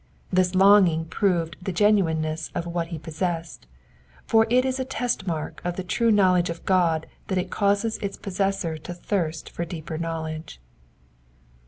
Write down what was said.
This longing proved the genuineness of what he possessed, for it is a test mark of the true knowledge of God that it causes Its possessor to thirst for deeper knowledge.